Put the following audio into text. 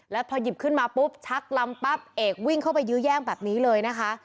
แล้วพอหยิบขึ้นมาปุ๊บชักลำปั๊บเอกวิ่งเข้าไปยื้อแย่งแบบนี้เลยนะคะ